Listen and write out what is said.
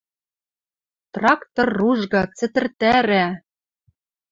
Трактор ружга, цӹтӹртӓрӓ